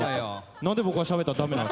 何で僕がしゃべったら駄目なの。